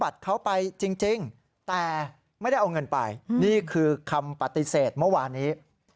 ไปจริงแต่ไม่ได้เอาเงินไปนี่คือคำปฏิเสธเมื่อวานี้